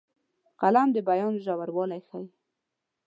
قلم د بیان ژوروالی ښيي